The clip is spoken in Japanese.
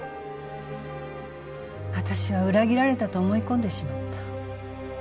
私は裏切られたと思い込んでしまった。